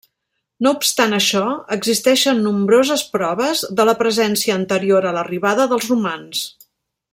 No obstant això, existeixen nombroses proves de la presència anterior a l'arribada dels romans.